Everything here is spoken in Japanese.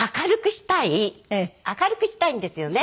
明るくしたいんですよね。